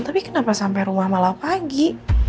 tapi kenapa sampai rumah malam pagi